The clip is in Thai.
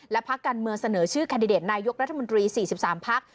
และพักการเมืองเสนอชื่อแคนดิเดตนายกรัฐมนตรี๔๓พัก